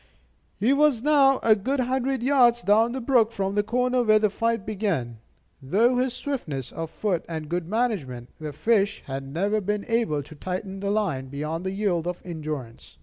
He was now a good hundred yards down the brook from the corner where the fight began. Through his swiftness of foot, and good management, the fish had never been able to tighten the line beyond yield of endurance.